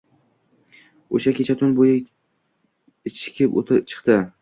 O‘sha kecha tun bo‘yi ichikib chiqdi